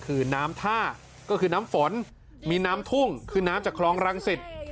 คือน้ำท่าก็คือน้ำฝนมีน้ำทุ่งคือน้ำจากคลองรังสิต